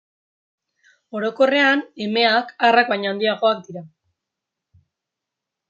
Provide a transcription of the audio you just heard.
Orokorrean, emeak arrak baino handiagoak dira.